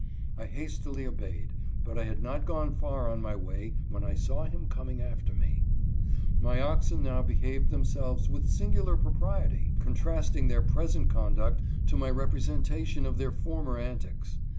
I hastily obeyed, but I had not gone far on my way when I saw him coming after me. My oxen now behaved themselves with singular propriety, contrasting their present conduct to my representation of their for mer antics.